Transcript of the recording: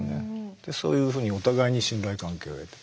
でそういうふうにお互いに信頼関係を得て。